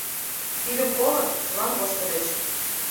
Тидым колын, чылан воштыльыч.